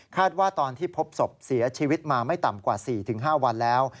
ว่าตอนที่พบศพเสียชีวิตมาไม่ต่ำกว่า๔๕วันแล้ว